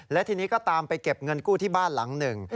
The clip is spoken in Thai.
และทีนี้ก็ตามไปเก็บเงินกู้ที่บ้านหลังหนึ่ง